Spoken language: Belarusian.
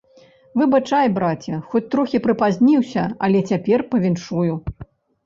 Выбачай, браце, хоць трохі прыпазніўся, але цяпер павіншую.